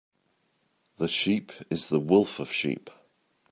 The sheep is the wolf of sheep.